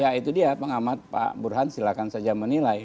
ya itu dia pengamat pak burhan silahkan saja menilai